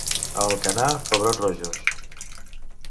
A Alcanar, pebrots rojos.